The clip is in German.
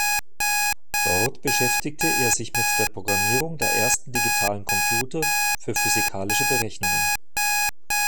Dort beschäftigte er sich mit der Programmierung der ersten digitalen Computer für physikalische Berechnungen.